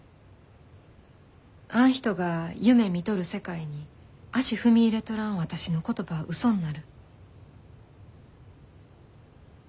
あん人が夢みとる世界に足踏み入れとらん私の言葉はうそんなる。